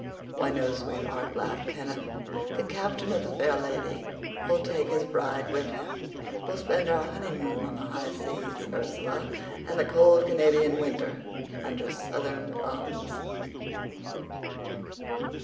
"'Why, no, sweetheart,' laughed Kenneth. 'The captain of The Fair Lady will take his bride with him. We'll spend our honeymoon on the high seas, Ursula, and the cold Canadian winter under southern palms.